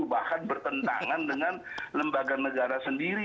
bahkan bertentangan dengan lembaga negara sendiri